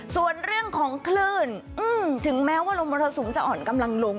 ส่วนเรื่องของคลื่นถึงแม้ว่าลมมรสุมจะอ่อนกำลังลง